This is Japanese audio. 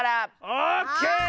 オッケー！